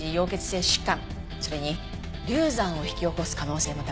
それに流産を引き起こす可能性も高い。